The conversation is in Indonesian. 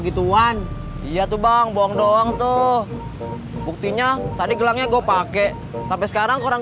gituan iya tuh bang buang doang tuh buktinya tadi gelangnya gue pakai sampai sekarang orang